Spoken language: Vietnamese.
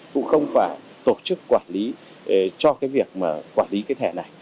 cũng không phải tổ chức quản lý cho cái việc mà quản lý cái thẻ này